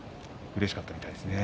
うれしかったみたいですね。